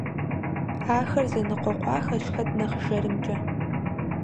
Ахэр зэныкъуэкъуахэщ хэт нэхъ жэрымкӀэ.